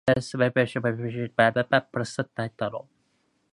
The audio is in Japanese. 道を歩きながら何を考えているのだろう、金？まさか、それだけでも無いだろう